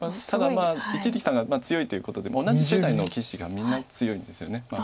ただ一力さんが強いということで同じ世代の棋士がみんな強いんですよね。